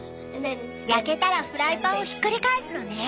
焼けたらフライパンをひっくり返すのね！